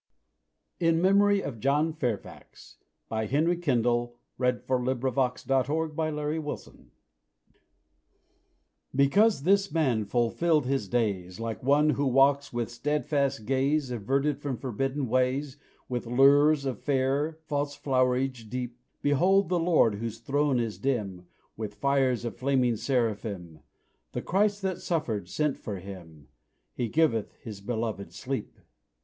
of a lover, When the sorrowful days of my singing are over. In Memory of John Fairfax Because this man fulfilled his days, Like one who walks with steadfast gaze Averted from forbidden ways With lures of fair, false flowerage deep, Behold the Lord whose throne is dim With fires of flaming seraphim The Christ that suffered sent for him: "He giveth His beloved sleep."